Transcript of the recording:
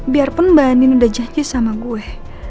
biarpun mbak andin udah janji sama gue